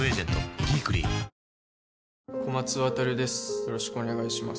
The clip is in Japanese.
よろしくお願いします